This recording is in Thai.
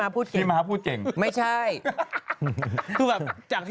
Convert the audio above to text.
พี่มาพูดเจ๋ง